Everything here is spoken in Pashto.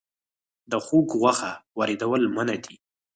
د خوګ غوښه واردول منع دي